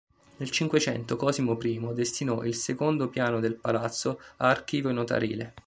Nel Cinquecento Cosimo I destinò il secondo piano del palazzo a Archivio notarile.